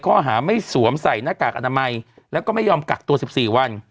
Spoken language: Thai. ข้อหาไม่สวมใส่หน้ากากอนามัยแล้วก็ไม่ยอมกักตัว๑๔วัน